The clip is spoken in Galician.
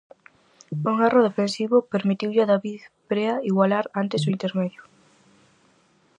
Un erro defensivo permitiulle a David Brea igualar antes do intermedio.